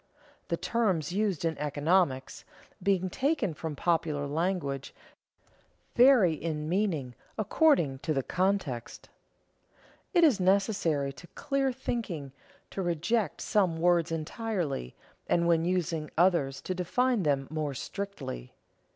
_ The terms used in economics, being taken from popular language, vary in meaning according to the context. It is necessary to clear thinking to reject some words entirely and when using others to define them more strictly.